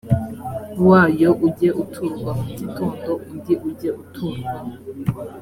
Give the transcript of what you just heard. wayo ujye uturwa mu gitondo undi ujye uturwa